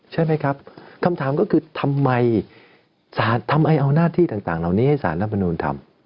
ใช่ไหมครับคำถามก็คือทำไมศาลทำไมเอาหน้าที่ต่างเหล่านี้ให้สารรัฐมนูลทำ